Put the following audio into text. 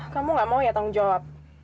kamu gak mau ya tanggung jawab